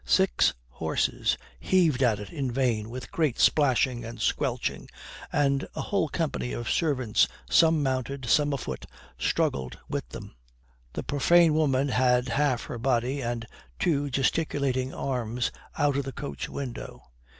Six horses heaved at it in vain with great splashing and squelching, and a whole company of servants, some mounted, some afoot, struggled with them. The profane woman had half her body and two gesticulating arms out of the coach window.